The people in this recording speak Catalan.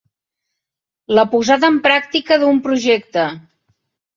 La posada en pràctica d'un projecte.